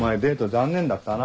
残念だったな。